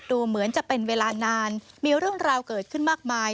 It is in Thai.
ดูเหมือนจะเป็นเวลานานมีเรื่องราวเกิดขึ้นมากมาย